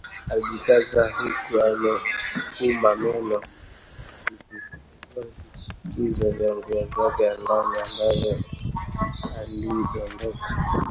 Alijikaza huku ameuma meno na kuvifungua vishikizo vya nguo yake ya ndani ambayo ilidondoka